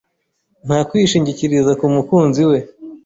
nta kwishingikiriza ku mukunzi we